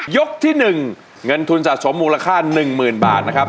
ที่๑เงินทุนสะสมมูลค่า๑๐๐๐บาทนะครับ